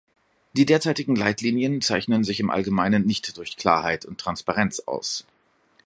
Die derzeitigen Leitlinien zeichnen sich im allgemeinen nicht durch Klarheit und Transparenz aus.